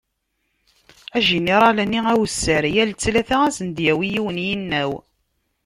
Ajiniral-nni awessar yal ttlata ad sen-d-yawi yiwen yinaw.